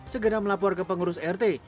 segera melapor ke pengurus rt